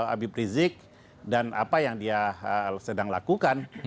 habib rizik dan apa yang dia sedang lakukan